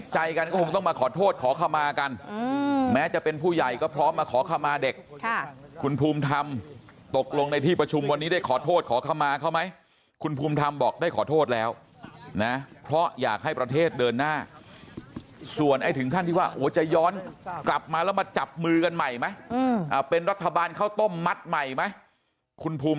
ใจกันก็คงต้องมาขอโทษขอขมากันแม้จะเป็นผู้ใหญ่ก็พร้อมมาขอขมาเด็กคุณภูมิธรรมตกลงในที่ประชุมวันนี้ได้ขอโทษขอคำมาเขาไหมคุณภูมิธรรมบอกได้ขอโทษแล้วนะเพราะอยากให้ประเทศเดินหน้าส่วนไอ้ถึงขั้นที่ว่าจะย้อนกลับมาแล้วมาจับมือกันใหม่ไหมเป็นรัฐบาลข้าวต้มมัดใหม่ไหมคุณภูมิ